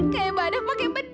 kayak badan pakai bedak